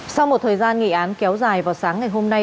sau một thời gian nghị án kéo dài vào sáng ngày hôm nay